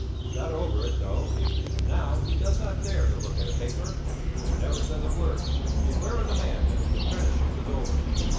He got over it, though, and now he does not dare to look at a paper. But he never says a word. Beware of the man when his apprenticeship is over.